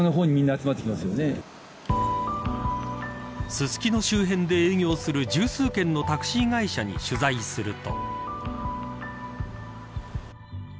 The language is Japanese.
ススキノ周辺で営業する十数件のタクシー会社に取材すると。